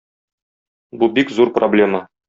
Бу бик зур проблема.